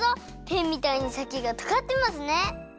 ペンみたいにさきがとがってますね。